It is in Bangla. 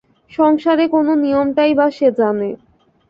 সংসারে কোন নিয়মটাই বা সে জানে?